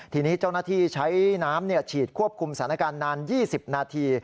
ทีนี้เจ้าหน้าที่ใช้น้ำฉีดควบคุมสถานการณ์นาน๒๐นาที